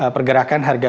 pergerakan harga minyaknya